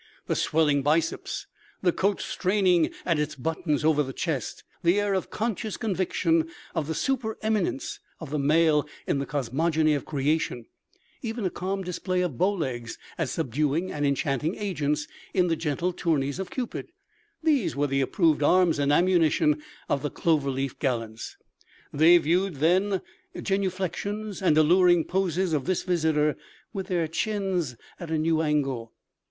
The swelling biceps, the coat straining at its buttons over the chest, the air of conscious conviction of the supereminence of the male in the cosmogony of creation, even a calm display of bow legs as subduing and enchanting agents in the gentle tourneys of Cupid—these were the approved arms and ammunition of the Clover Leaf gallants. They viewed, then, genuflexions and alluring poses of this visitor with their chins at a new angle.